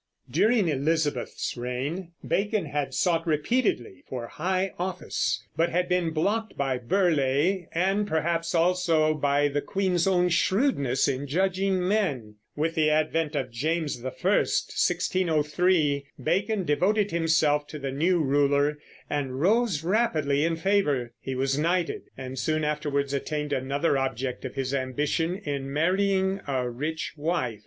During Elizabeth's reign Bacon had sought repeatedly for high office, but had been blocked by Burleigh and perhaps also by the queen's own shrewdness in judging men. With the advent of James I (1603) Bacon devoted himself to the new ruler and rose rapidly in favor. He was knighted, and soon afterwards attained another object of his ambition in marrying a rich wife.